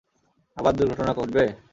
আবার দূর্ঘটনা ঘটবে?